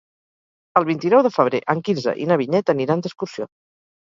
El vint-i-nou de febrer en Quirze i na Vinyet aniran d'excursió.